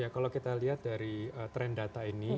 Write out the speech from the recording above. kalau kita lihat dari tren data ini